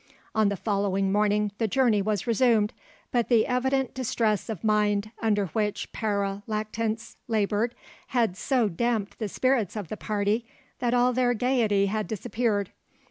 "On the following morning the journey was resumed, but the evident distress of mind under which Pere Lactance laboured had so damped the spirits of the party that all their gaiety had disappeared.